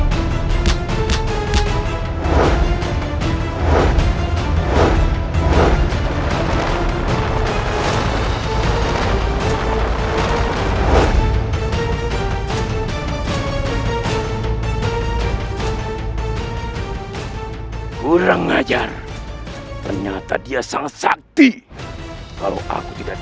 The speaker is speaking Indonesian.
sari kata aplikasi transmitted oleh interpretingchurch de